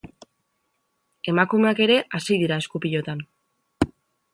Emakumeak ere hasi dira esku-pilotan.